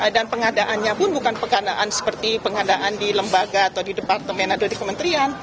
dan pengadaannya pun bukan pengadaan seperti pengadaan di lembaga atau di departemen atau di kementerian